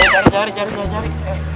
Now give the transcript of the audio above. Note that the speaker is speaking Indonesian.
jari jari jari